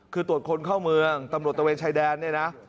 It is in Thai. คือตรวจคนเข้าเมืองตำรวจตะเวนชายแดนเนี่ยนะ